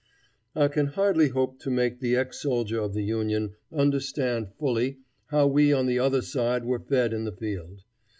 I can hardly hope to make the ex soldier of the Union understand fully how we on the other side were fed in the field.